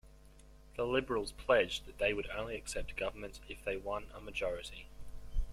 The Liberals pledged that they would only accept government if they won a majority.